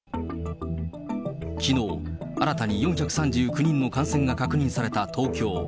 きのう、新たに４３９人の感染が確認された東京。